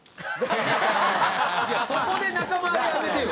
そこで仲間割れはやめてよ